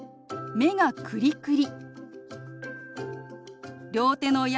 「目がクリクリ」。